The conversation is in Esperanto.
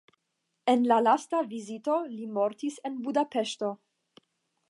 En la lasta vizito li mortis en Budapeŝto.